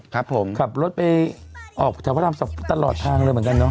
ครับผมขับรถไปออกแถวพระรามสองตลอดทางเลยเหมือนกันเนอ